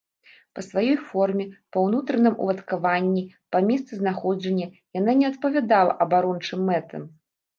Па сваёй форме, па ўнутраным уладкаванні, па месцы знаходжання яна не адпавядала абарончым мэтам.